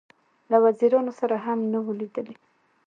له وزیرانو سره هم نه وه لیدلې.